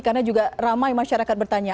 karena juga ramai masyarakat bertanya